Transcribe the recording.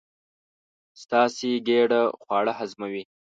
ستاسې ګېډه خواړه هضموي.